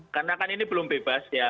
karena kan ini belum bebas ya